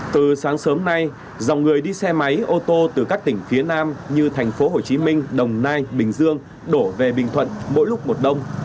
từ sáng sớm nay dòng người đi xe máy ô tô từ các tỉnh phía nam như thành phố hồ chí minh đồng nai bình dương đổ về bình thuận mỗi lúc một đông